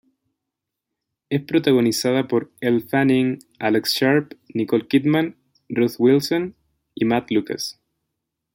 Es protagonizada por Elle Fanning, Alex Sharp, Nicole Kidman, Ruth Wilson, y Matt Lucas.